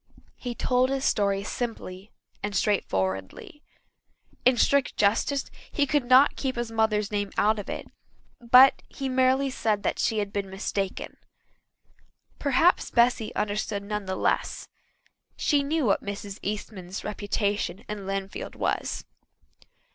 He told his story simply and straightforwardly. In strict justice he could not keep his mother's name out of it, but he merely said she had been mistaken. Perhaps Bessy understood none the less. She knew what Mrs. Eastman's reputation in Lynnfield was.